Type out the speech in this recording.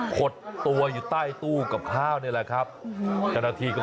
ขดตัวอยู่ใต้ตู้กับข้าวนี่แหละครับ